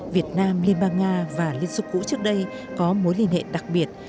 việt nam liên bang nga và liên xô cũ trước đây có mối liên hệ đặc biệt